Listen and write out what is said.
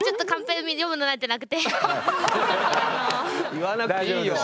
言わなくていいよ。